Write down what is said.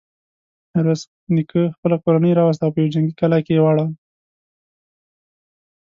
ميرويس نيکه خپله کورنۍ راوسته او په يوه جنګي کلا کې يې واړول.